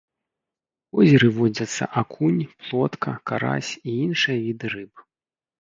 У возеры водзяцца акунь, плотка, карась і іншыя віды рыб.